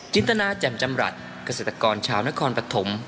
จินตนาแจ่มจำรัฐเกษตรกรชาวนครปฐม